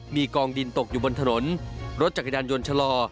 มีกองดินตกอยู่บนถนนรถจักรยานยนต์ชะลอ